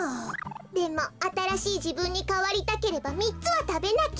でもあたらしいじぶんにかわりたければみっつはたべなきゃ。